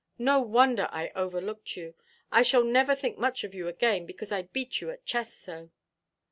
No wonder I overlooked you. I shall never think much of you again, because I beat you at chess so."